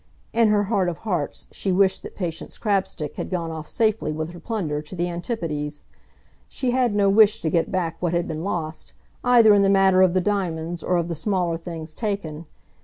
In her heart of hearts she wished that Patience Crabstick had gone off safely with her plunder to the Antipodes. She had no wish to get back what had been lost, either in the matter of the diamonds or of the smaller things taken.